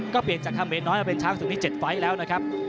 ก็เปลี่ยนจากขเมนน้อยเป็นช้างศึกที่๗ไฟต์แล้วนะครับ